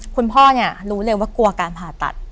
คุณพ่อเนี่ยรู้เลยว่ากลัวการผ่าตัด